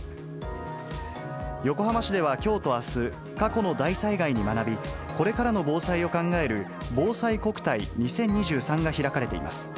横浜市ではきょうとあす、過去の大災害に学び、これからの防災を考える、ぼうさいこくたい２０２３が開かれています。